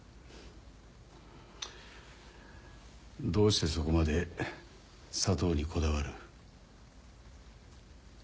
どうしてそこまで佐藤にこだわる？